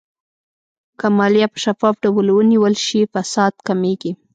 که مالیه په شفاف ډول ونیول شي، فساد کمېږي.